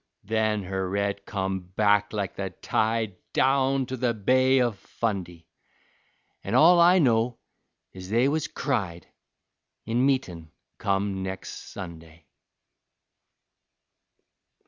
Then her red come back like the tide Down to the Bay o' Fundy, An' all I know is they was cried In meetin' come nex' Sunday.